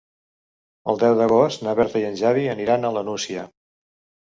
El deu d'agost na Berta i en Xavi aniran a la Nucia.